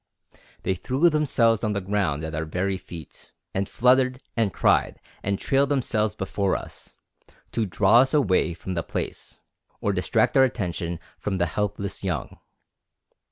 They threw themselves on the ground at our very feet, and fluttered, and cried, and trailed themselves before us, to draw us away from the place, or distract our attention from the helpless young.